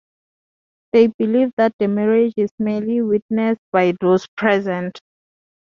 They believe that the marriage is merely "witnessed" by those present.